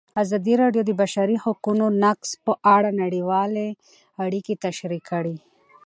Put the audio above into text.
ازادي راډیو د د بشري حقونو نقض په اړه نړیوالې اړیکې تشریح کړي.